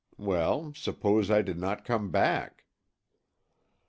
Well, suppose I did not come back?"